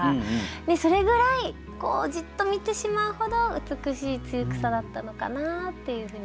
それぐらいじっと見てしまうほど美しい露草だったのかなっていうふうに感じました。